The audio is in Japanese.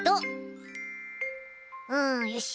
うんよし。